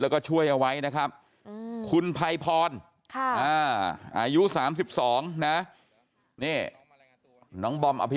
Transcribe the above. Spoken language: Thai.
แล้วก็ช่วยไว้เดียวนะครับคุณไภพรอายูสามสิบสอง